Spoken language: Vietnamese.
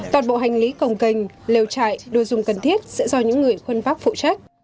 toàn bộ hành lý cồng kênh lều chạy đồ dùng cần thiết sẽ do những người khuân pháp phụ trách